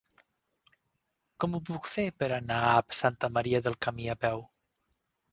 Com ho puc fer per anar a Santa Maria del Camí a peu?